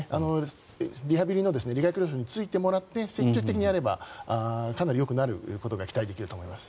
リハビリの理学療法士についてもらって積極的にやればかなりよくなることが期待できると思います。